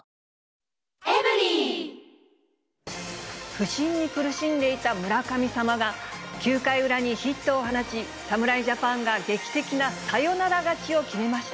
不振に苦しんでいた村神様が、９回裏にヒットを放ち、侍ジャパンが劇的なサヨナラ勝ちを決めました。